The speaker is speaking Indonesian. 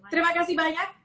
terima kasih banyak